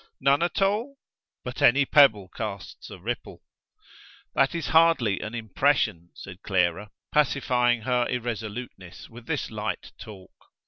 None at all? But any pebble casts a ripple." "That is hardly an impression," said Clara, pacifying her irresoluteness with this light talk.